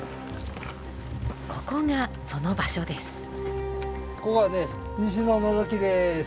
ここがその場所です。